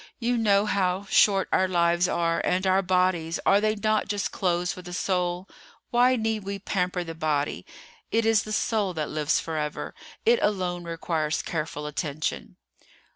You know how short our lives are; and our bodies, are they not just clothes for the soul? Why need we pamper the body. It is the soul that lives forever; it alone requires careful attention."